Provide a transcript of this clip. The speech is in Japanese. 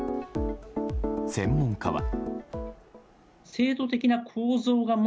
専門家は。